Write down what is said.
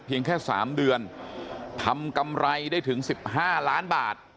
เพียงแค่สามเดือนทำกำไรได้ถึงสิบห้าร้านบาท